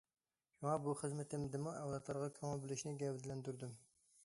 شۇڭا بۇ خىزمىتىمدىمۇ ئەۋلادلارغا كۆڭۈل بۆلۈشنى گەۋدىلەندۈردۈم.